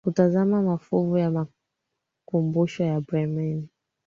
kutazama mafuvu ya makumbusho ya Bremen